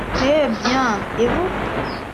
Eh bien… et vous…